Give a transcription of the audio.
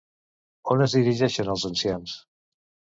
On es dirigeixen els ancians?